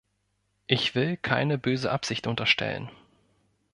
Ich will keine böse Absicht unterstellen.